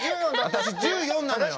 私１４なのよ。